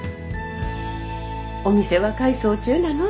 お店は改装中なの？